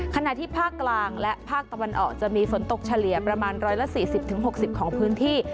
ขณะที่ภาคกลางและภาคตะวันออกจะมีฝนตกเฉลี่ยประมาณร้อยละสี่สิบถึงหกสิบของพื้นที่